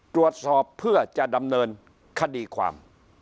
ตรวจสอบเพื่อจะดำเนินคดีความ